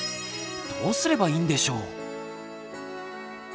どうすればいいんでしょう？